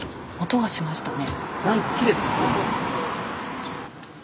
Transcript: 音がしましたね。